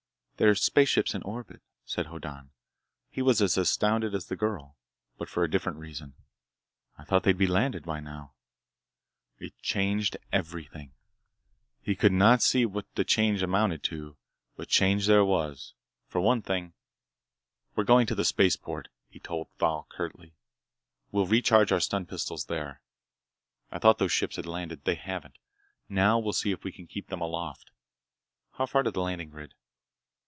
"They're spaceships in orbit," said Hoddan. He was as astounded as the girl, but for a different reason. "I thought they'd be landed by now!" It changed everything. He could not see what the change amounted to, but change there was. For one thing— "We're going to the spaceport," he told Thal curtly. "We'll recharge our stun pistols there. I thought those ships had landed. They haven't. Now we'll see if we can keep them aloft! How far to the landing grid?"